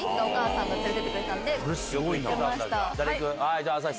じゃあ朝日さん。